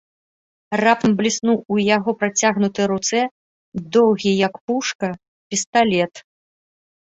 Раптам бліснуў у яго працягнутай руцэ доўгі, як пушка, пісталет.